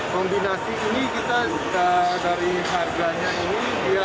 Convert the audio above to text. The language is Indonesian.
kombinasi ini kita dari harganya ini